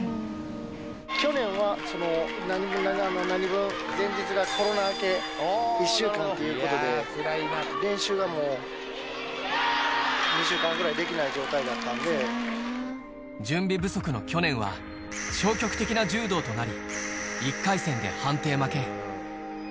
去年はなにぶん、前日がコロナ明け１週間ということで、練習がもう２週間ぐらいで準備不足の去年は、消極的な柔道となり、１回戦で判定負け。